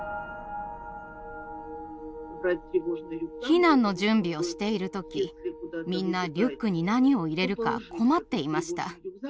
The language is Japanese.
避難の準備をしている時みんなリュックに何を入れるか困っていました。